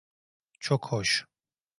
Çok hoş.